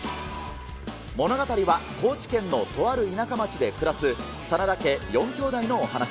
物語は高知県のとある田舎町で暮らす、真田家４きょうだいのお話。